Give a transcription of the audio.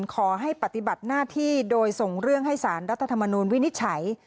ขอให้ปฏิบัติหน้าที่โดยส่งเรื่องให้สารรัฐธรรมนูลวินิจฉัย